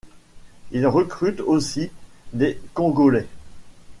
Ils recrutent aussi des Congolais.